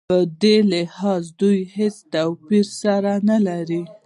په دې لحاظ دوی هېڅ توپیر سره نه لري.